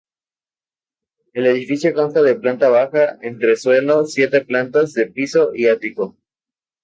El edificio consta de planta baja, entresuelo, siete plantas de piso y ático.